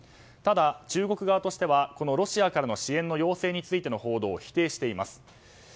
ただ中国側としてはロシアからの支援の要請についての報道を否定しています。